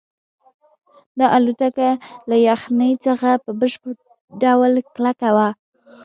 دا الوتکه له یخنۍ څخه په بشپړ ډول کلکه وه